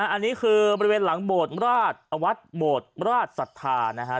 อันนี้คือบริเวณหลังโบสถ์ราชวัดโบดราชศรัทธานะฮะ